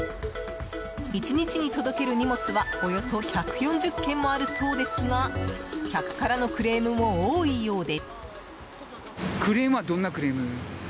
１日に届ける荷物はおよそ１４０件もあるそうですが客からのクレームも多いようで。